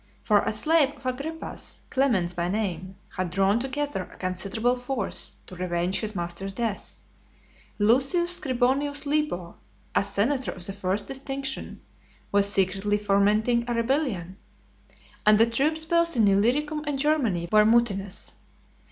For a slave of Agrippa's, Clemens by name, had drawn together a considerable force to revenge his master's death; Lucius Scribonius Libo, a senator of the first distinction, was secretly fomenting a rebellion; and the troops both in Illyricum and Germany were mutinous.